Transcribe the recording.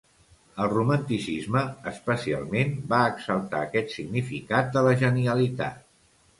El romanticisme, especialment, va exaltar aquest significat de la genialitat.